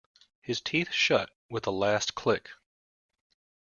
His teeth shut with a last click.